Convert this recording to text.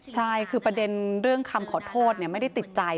ใช่คือประเด็นเรื่องคำขอโทษไม่ได้ติดใจ